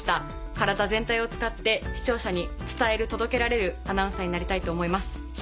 体全体を使って視聴者に伝える届けられるアナウンサーになりたいと思います。